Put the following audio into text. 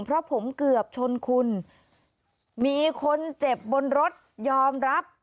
เพราะผมเกือบชนคุณมีคนเจ็บบนรถยอมรับ